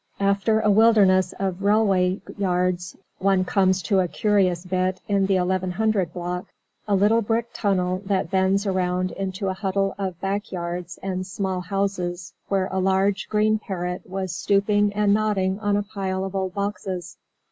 After a wilderness of railway yards one comes to a curious bit in the 1100 block; a little brick tunnel that bends around into a huddle of backyards and small houses, where a large green parrot was stooping and nodding on a pile of old boxes.